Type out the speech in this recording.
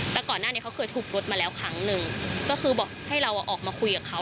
แต่ก่อนหน้านี้เขาเคยถูกรถมาแล้วครั้งหนึ่งก็คือบอกให้เราออกมาคุยกับเขา